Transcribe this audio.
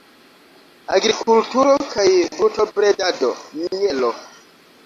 Agrikulturo kaj brutobredado; mielo.